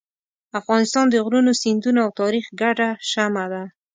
افغانستان د غرونو، سیندونو او تاریخ ګډه شمع ده.